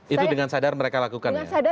itu dengan sadar mereka lakukan ya